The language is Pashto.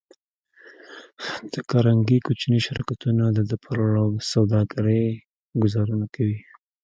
د کارنګي کوچني شرکتونه د ده پر سوداګرۍ ګوزارونه کوي